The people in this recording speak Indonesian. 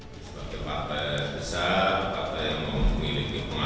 sebagai pakar besar pakar yang memiliki